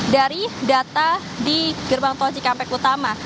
dari data di gerbang tol cikampek utama